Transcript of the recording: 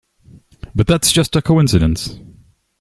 But that's just a coincidence!